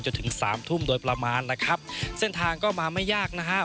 จนถึงสามทุ่มโดยประมาณนะครับเส้นทางก็มาไม่ยากนะครับ